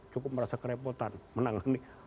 cukup merasa kerepotan menangani